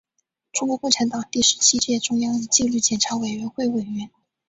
中国共产党第十七届中央纪律检查委员会委员。